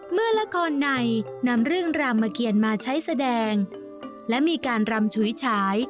เมื่อละครในนำเรื่องรามเกียรมาใช้แสดงและมีการรำฉุยฉาย